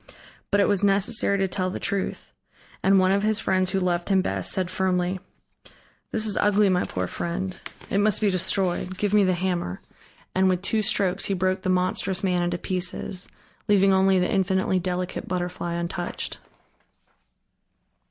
But it was necessary to tell the truth, and one of his friends who loved him best said firmly: "This is ugly, my poor friend. It must be destroyed. Give me the hammer." And with two strokes he broke the monstrous man into pieces, leaving only the infinitely delicate butterfly untouched.